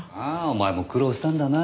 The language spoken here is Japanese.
お前も苦労したんだな。